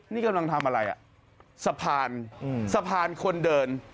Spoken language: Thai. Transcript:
นี่กำลังทำอะไรอ่ะสะพานสะพานคนเดิน